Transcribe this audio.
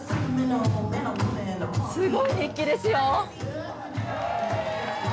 すごい熱気ですよ。